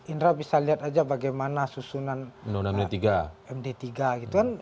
indra bisa lihat aja bagaimana susunan md tiga gitu kan